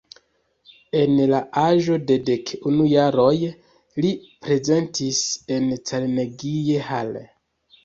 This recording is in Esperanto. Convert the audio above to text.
En la aĝo de dek unu jaroj li prezentis en Carnegie Hall.